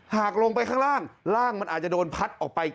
หากลงไปข้างล่างร่างมันอาจจะโดนพัดออกไป